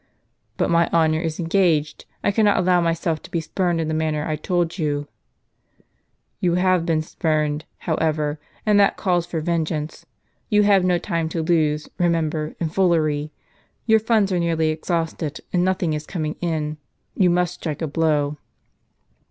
"But my honor is engaged; I cannot allow myself to be spurned in the manner I told you." "You ham been spurned, however; and that calls for vengeance. You have no time to lose, remember, in foolery. Your funds are nearly exhausted, and nothing is coming in. You must strike a blow."